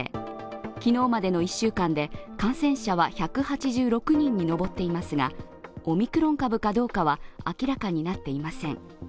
昨日までの１週間で感染者は１８６人に上っていますが、オミクロン株かどうかは明らかになっていません。